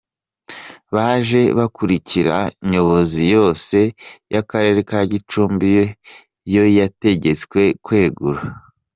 Baje bakurikira Nyobozi yose y’Akarere ka Gicumbi yo yategetswe kwegura.